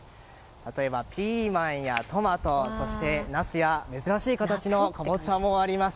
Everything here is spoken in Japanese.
例えばピーマンやトマトそして、ナスや珍しい形のカボチャもあります。